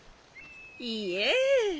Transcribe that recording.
いいえ